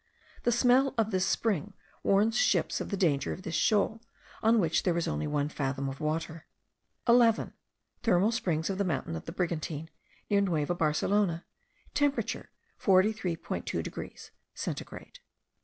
The smell of this spring warns ships of the danger of this shoal, on which there is only one fathom of water. 11. Thermal springs of the mountain of the Brigantine, near Nueva Barcelona. Temperature 43.2 degrees (centigrade).